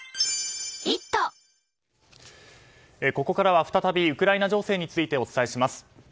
ここからは再びウクライナ情勢についてお伝えします。